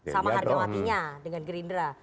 sama harga matinya dengan gerindra